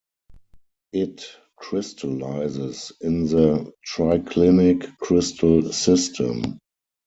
It crystallizes in the triclinic crystal system.